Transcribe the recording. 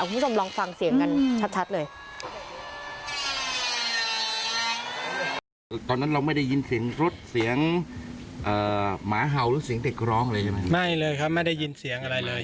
คุณผู้ชมลองฟังเสียงกันชัดเลย